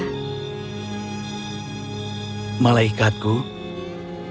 malaikatku apakah kau ingin ayah menjadikanmu seorang perempuan